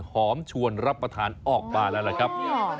ชวนรับประทานออกมาแล้วล่ะครับ